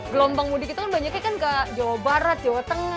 gelombang mudik kita kan banyaknya ke jawa barat jawa tengah ya